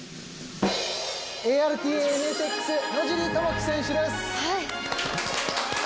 ＡＲＴＡＮＳＸ野尻智紀選手です。